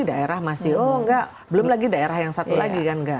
daerah masih oh enggak belum lagi daerah yang satu lagi kan enggak